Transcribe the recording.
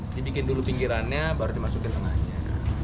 dibikin dulu pinggirannya baru dimasukin tengahnya